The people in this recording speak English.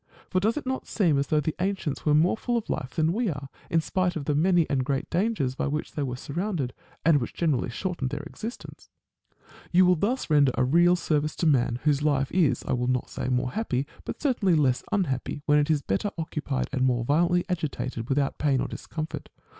For does it not seem as though the ancients were more full of life than we are, in spite of the many and great dangers by which they were surrounded, and which generally shortened their existence ? 64 A DIALOGUE. You will thus render a real service to man, whose life is, I will not say more happy, but certainly less unhappy, when it is better occupied and more violently agitated, without pain or discomfort.